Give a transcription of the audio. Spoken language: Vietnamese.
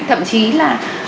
thậm chí là